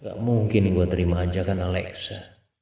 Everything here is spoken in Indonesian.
gak mungkin gue terima ajakan alexa